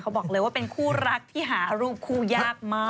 บอกเลยว่าเป็นคู่รักที่หารูปคู่ยากมาก